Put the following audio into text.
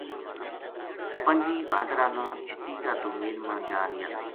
پنجی بھادرا نا چٹی کا دومیل ما جا رہیا